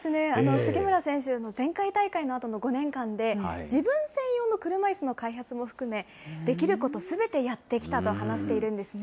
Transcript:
杉村選手、前回大会のあとの５年間で、自分専用の車いすの開発も含め、できることすべてやってきたと話しているんですね。